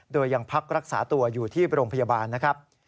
โดยยังพักรักษาตัวอยู่ที่โรงพยาบาลนะครับ